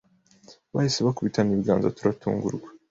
Bahise bakubitana ibiganza turatungurwa ,